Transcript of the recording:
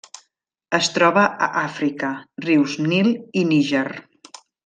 Es troba a Àfrica: rius Nil i Níger.